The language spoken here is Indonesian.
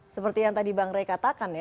seperti yang tadi bang ray katakan ya